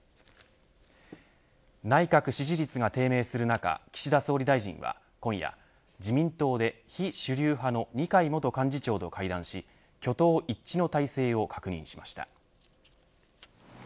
内閣支持率が低迷する中岸田総理大臣は今夜自民党で非主流派の二階元幹事長ど会談し挙党一致の体制を確認しました。